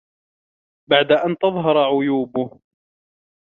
بَعْدَ أَنْ تَظْهَرَ عُيُوبُهُ